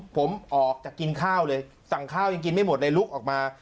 ผมออกจากกินข้าวเลยสั่งข้าวยังกินไม่หมดเลยลุกออกมา